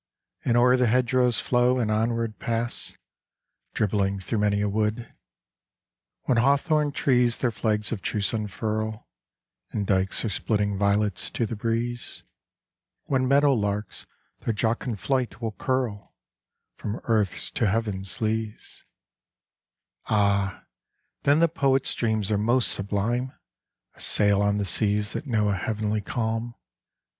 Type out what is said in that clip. And o'er the hedgerows flow, and onward pass, Dribbling thro' many a wood ; When hawthorn trees their flags of truce un furl, And dykes are spitting violets to the breeze ; When meadow larks their jocund flight will curl From Earth's to Heaven's leas ; Ah! then the poet's dreams are most sublime, A sail on seas that know a heavenly calm.